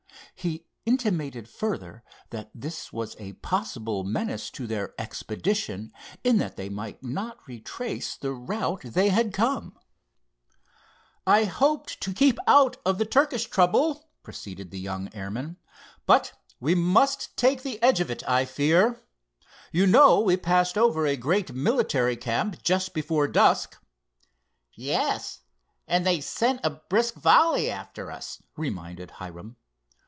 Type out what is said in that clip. He intimated further that this was a possible menace to their expedition, in that they might not retrace the route they had come. "I hoped to keep out of the Turkish trouble," proceeded the young airman; "but we must take the edge of it, I fear. You know we passed over a great military camp just before dusk." "Yes, and they sent a brisk volley after us," reminded Hiram.